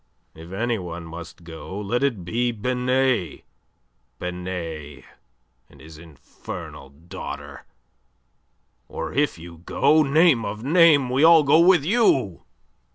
If any one must go, let it be Binet Binet and his infernal daughter. Or if you go, name of a name! we all go with you!"